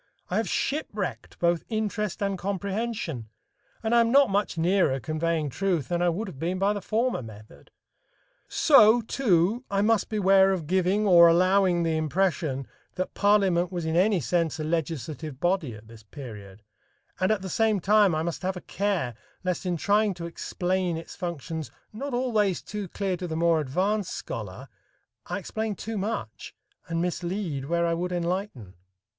I have shipwrecked both interest and comprehension, and I am not much nearer conveying truth than I would have been by the former method. So, too, I must beware of giving or allowing the impression that parliament was in any sense a legislative body at this period, and at the same time I must have a care lest in trying to explain its functions not always too clear to the more advanced scholar, I explain too much and mislead where I would enlighten.